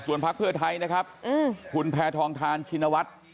พักเพื่อไทยนะครับคุณแพทองทานชินวัฒน์